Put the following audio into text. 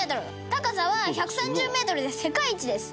高さは１３０メートルで世界一です」